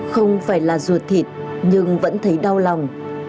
không phải là ruột thịt nhưng vẫn thấy đau lòng